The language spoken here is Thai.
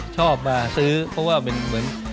ชอบมาซื้อเพราะว่าเป็นเหมือน